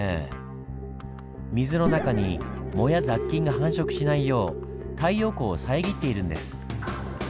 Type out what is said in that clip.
水の中に藻や雑菌が繁殖しないよう太陽光を遮っているんです。